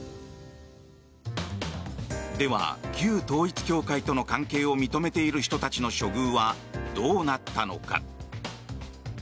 では旧統一教会との関係を認めている人たちの処遇はどうなったのか。